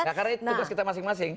nah karena itu tugas kita masing masing